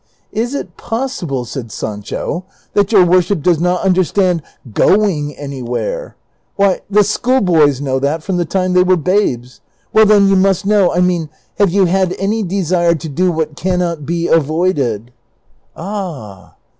'' Is it possible," said Sancho, " that your worship does not understand ' going anywhere '? Why, the schoolboys know that from the time they were babes. Well then, you must know I mean have you had any desire to do what can not be avoided ?"*' Ah